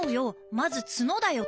まず角だよ角。